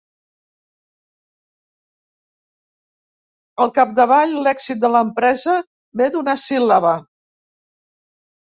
Al capdavall, l'èxit de l'empresa ve d'una síl·laba.